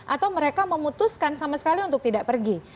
atau mereka memutuskan sama sekali untuk tidak pergi